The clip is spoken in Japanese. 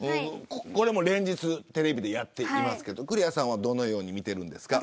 これも連日テレビでやっていますけどクレアさんはどのように見ていますか。